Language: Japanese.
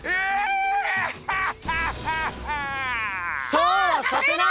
・そうはさせない！